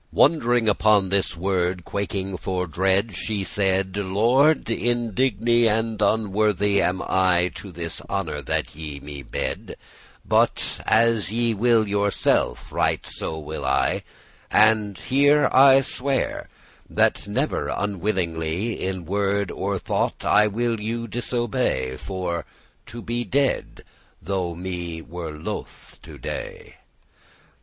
Wond'ring upon this word, quaking for dread, She saide; "Lord, indigne and unworthy Am I to this honour that ye me bede,* *offer But as ye will yourself, right so will I: And here I swear, that never willingly In word or thought I will you disobey, For to be dead; though me were loth to dey."